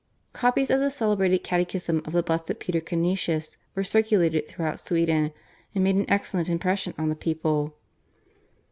Copies of the celebrated catechism of the Blessed Peter Canisius were circulated throughout Sweden, and made an excellent impression on the people.